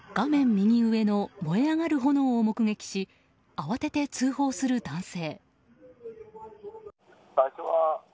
右上の燃え上がる炎を目撃し慌てて通報する男性。